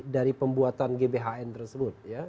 dari pembuatan gbhn tersebut